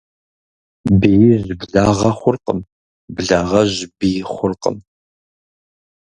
Биижь благъэ хъуркъым, благъэжь бий хъуркъым.